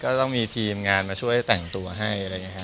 ก็ต้องมีทีมงานมาช่วยแต่งตัวให้